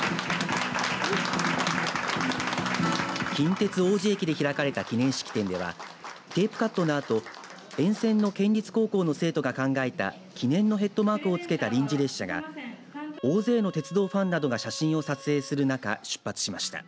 近鉄王寺駅で開かれた記念式典ではテープカットのあと沿線の県立高校の生徒が考えた記念のヘッドマークをつけた臨時列車が大勢の鉄道ファンなどが写真を撮影する中、出発しました。